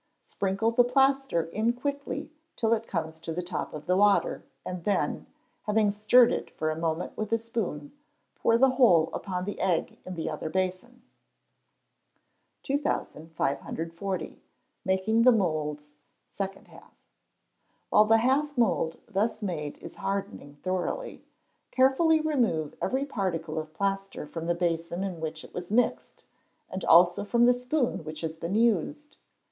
Sprinkle the plaster in quickly till it comes to the top of the water, and then, having stirred it for a moment with a spoon, pour the whole upon the egg in the other basin. 2540. Making the Moulds Second Half. While the half mould thus made is hardening thoroughly, carefully remove every particle of plaster from the basin in which it was mixed, and also from the spoon which has been used.